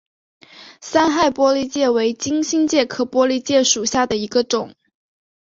三害玻璃介为金星介科玻璃介属下的一个种。